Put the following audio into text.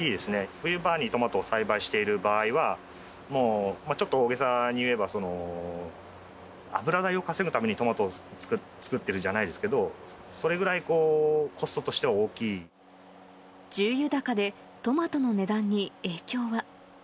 冬場にトマトを栽培している場合は、もうちょっと大げさに言えば、油代を稼ぐためにトマトを作ってるじゃないですけど、それぐらい、重油高で、トマトの値段に影響は。